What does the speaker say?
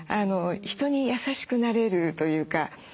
人に優しくなれるというか。